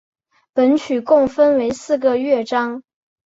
本曲共分为四个乐章。